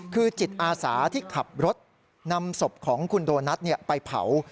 คือจิตอาสาที่ขับรถนำศพของคุณโดนัทไปเผา